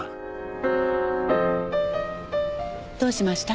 どうしました？